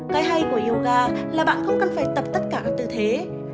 cái hay của yoga là bạn không cần phải tập tất cả từ thế nào